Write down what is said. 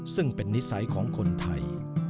ซึ่งเป็นนิสัยของคนไทย